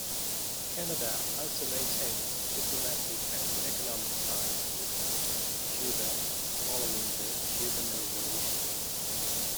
Canada also maintained diplomatic and economic ties with Cuba following the Cuban Revolution.